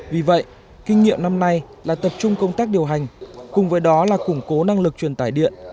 vì vậy kinh nghiệm năm nay là tập trung công tác điều hành cùng với đó là củng cố năng lực truyền tải điện